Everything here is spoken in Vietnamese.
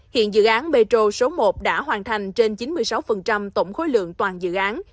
hiện dự án metro số một đã hoàn thành trên chín mươi sáu tổng khối lượng toàn dự án